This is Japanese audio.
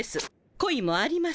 恋もありません。